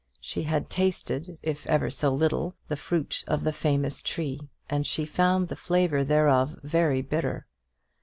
She had tasted, if ever so little, of the fruit of the famous tree, and she found the flavour thereof very bitter.